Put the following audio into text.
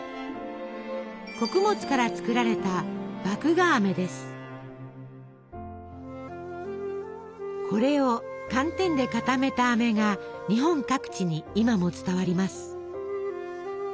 穀物から作られたこれを寒天で固めたあめが日本各地に今も伝わります。